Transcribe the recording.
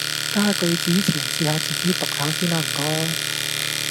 加句子前試下自己讀下先啦唔該